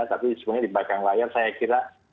tapi sebenarnya di belakang layar saya kira